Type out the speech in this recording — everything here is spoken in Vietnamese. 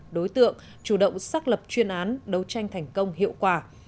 đối tượng chủ động xác lập chuyên án đấu tranh thành công hiệu quả